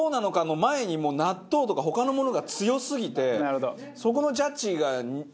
の前にもう納豆とか他のものが強すぎてそこのジャッジがね